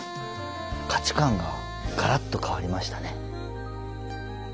価値観ががらっと変わりましたね。